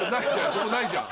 ここないじゃん。